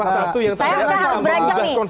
saya harus beranjak nih